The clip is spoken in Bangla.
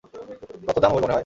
কত দাম হবে, মনেহয়?